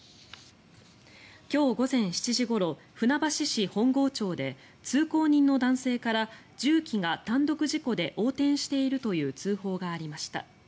今日午前７時ごろ船橋市本郷町で通行人の男性から重機が単独事故で横転しているという通報がありました。